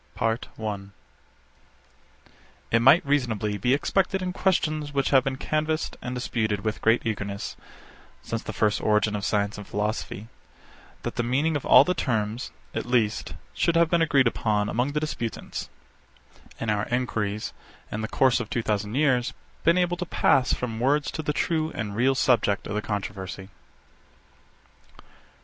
PART I. 62. It might reasonably be expected in questions which have been canvassed and disputed with great eagerness, since the first origin of science and philosophy, that the meaning of all the terms, at least, should have been agreed upon among the disputants; and our enquiries, in the course of two thousand years, been able to pass from words to the true and real subject of the controversy.